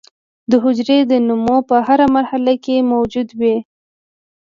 د حجرې د نمو په هره مرحله کې موجود وي.